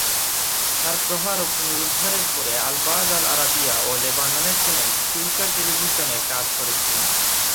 তার প্রহার ও পুনরুদ্ধারের পরে, আল-বাজ আল আরাবিয়া ও লেবাননের চ্যানেল ফিউচার টেলিভিশনে কাজ করেছিলেন।